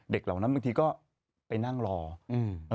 เหล่านั้นบางทีก็ไปนั่งรออืม